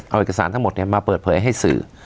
เอาเอกสารทั้งหมดมาเปิดเผยให้สื่อ